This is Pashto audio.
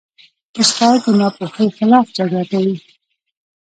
استاد د ناپوهۍ خلاف جګړه کوي.